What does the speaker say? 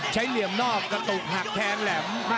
เหลี่ยมนอกกระตุกหักแทงแหลม